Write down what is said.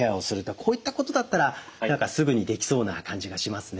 こういったことだったら何かすぐにできそうな感じがしますね。